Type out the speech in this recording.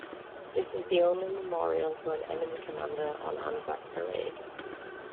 This is the only memorial to an enemy commander on Anzac Parade.